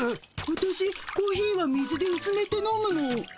わたしコーヒーは水でうすめて飲むの。